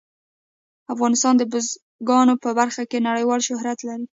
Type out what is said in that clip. افغانستان د بزګان په برخه کې نړیوال شهرت لري.